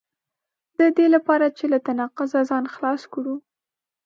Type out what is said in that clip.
د دې لپاره چې له تناقضه ځان خلاص کړو.